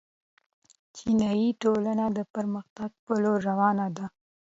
چینايي ټولنه د پرمختګ په لور روانه ده.